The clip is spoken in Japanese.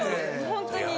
ホントに。